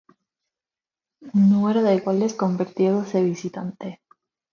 Número de goles convertidos de visitante.